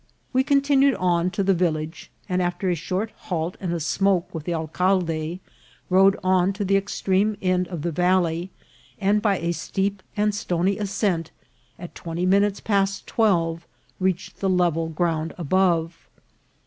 We continued on to the vil lage, and after a short halt and a smoke with the al calde, rode on to the extreme end of the valley, and by a steep and stony ascent, at twenty minutes past twelve reached the level ground above.